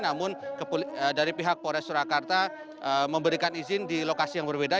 namun dari pihak polres surakarta memberikan izin di lokasi yang berbeda